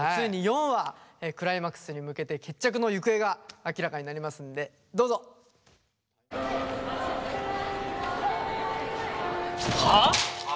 クライマックスに向けて決着の行方が明らかになりますんでどうぞ！はあ！？